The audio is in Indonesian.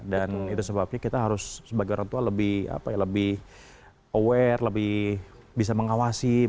dan itu sebabnya kita harus sebagai orang tua lebih aware lebih bisa mengawasi